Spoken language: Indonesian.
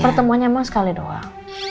pertemuan emang sekali doang